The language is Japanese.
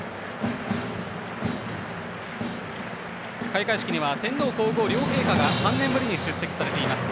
開会式には天皇皇后両陛下が３年ぶりに出席されています。